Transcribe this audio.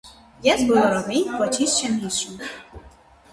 - Ես բոլորովին ոչինչ չեմ հիշում: